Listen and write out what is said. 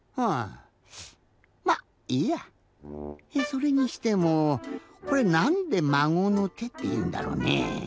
それにしてもこれなんで「まごのて」っていうんだろうねぇ。